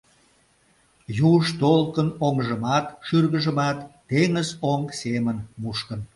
Юж толкын оҥжымат, шӱргыжымат теҥызоҥ семын мушкын.